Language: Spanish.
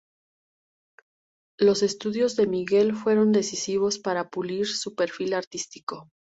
Los estudios de Miguel fueron decisivos para pulir su perfil artístico.